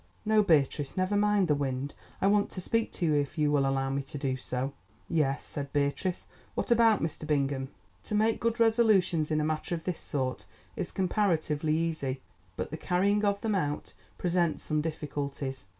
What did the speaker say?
"No, Beatrice, never mind the wind. I want to speak to you, if you will allow me to do so." "Yes," said Beatrice, "what about, Mr. Bingham." To make good resolutions in a matter of this sort is comparatively easy, but the carrying of them out presents some difficulties.